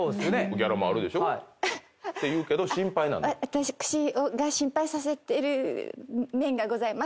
私が心配させてる面がございます。